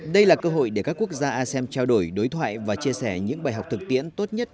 đây là cơ hội để các quốc gia asem trao đổi đối thoại và chia sẻ những bài học thực tiễn tốt nhất